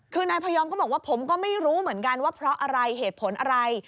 คือนายพยอมก็บอกว่าผมก็ไม่รู้เหมือนกันว่าเพราะอะไรเหตุผลอะไร